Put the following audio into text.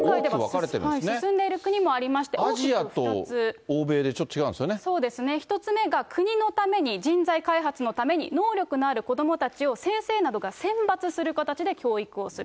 進んでいる国もありまして、そうですね、１つ目は国のために人材開発のために、能力のある子どもたちを先生などが選抜する形で教育をする。